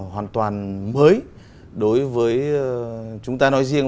hoàn toàn mới đối với chúng ta nói riêng